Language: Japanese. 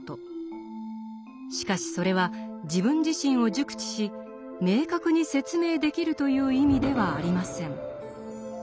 しかしそれは自分自身を熟知し明確に説明できるという意味ではありません。